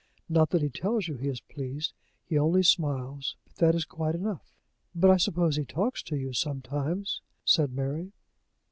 Not that he tells you he is pleased; he only smiles; but that is quite enough." "But I suppose he talks to you sometimes?" said Mary.